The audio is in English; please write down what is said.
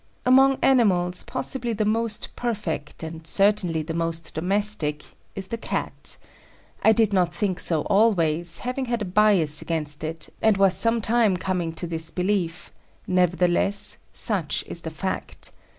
Among animals possibly the most perfect, and certainly the most domestic, is the Cat. I did not think so always, having had a bias against it, and was some time coming to this belief; nevertheless, such is the fact.